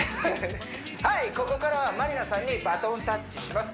ここからはまりなさんにバトンタッチします